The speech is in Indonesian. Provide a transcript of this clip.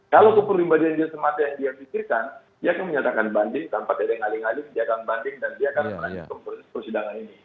kalau kepribadian dia semata yang dia pikirkan dia akan menyatakan banding tanpa tering aling aling dia akan banding dan dia akan menganjurkan persidangan ini